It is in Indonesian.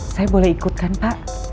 saya boleh ikut kan pak